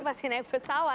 pasti naik pesawat